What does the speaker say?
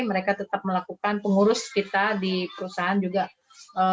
mereka tetap melakukan pengurus kita di perusahaan juga